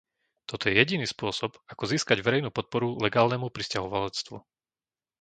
To je jediný spôsob, ako získať verejnú podporu legálnemu prisťahovalectvu.